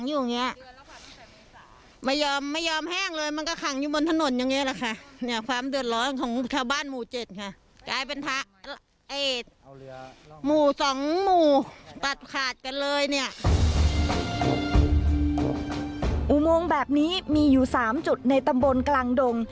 อุโมงแบบนี้มีอยู่๓จุดในตำบลกลางดง